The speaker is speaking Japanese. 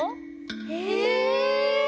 へえ！